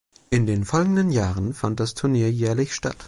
In den folgenden Jahren fand das Turnier jährlich statt.